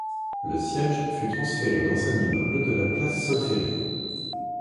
Le siège fut transféré dans un immeuble de la place Solferino.